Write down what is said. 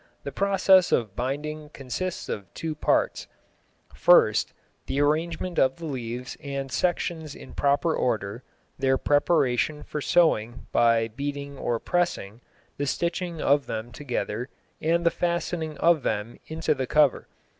The process of binding consists of two parts: first, the arrangement of the leaves and sections in proper order, their preparation for sewing by beating or pressing, the stitching of them together, and the fastening of them into the cover.